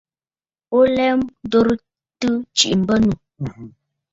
Bo lɛ ndoritə tsiʼi mbə̂nnù.